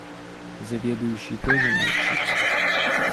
Заведующий тоже молчит.